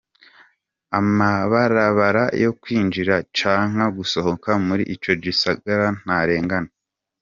Amabarabara yo kwinjira canke gusohoka muri ico gisagara ntarengana.